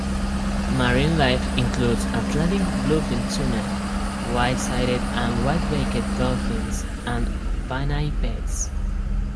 Marine life includes Atlantic bluefin tuna, white-sided and white-beaked dolphins, and pinnipeds.